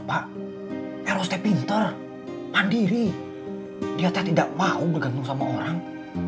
pak eros pinter pandiri dia tak tidak mau bergantung sama orang